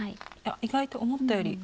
意外と思ったより。